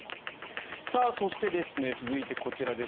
そして、続いてこちらです。